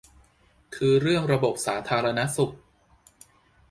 คือเรื่องระบบสาธารณสุข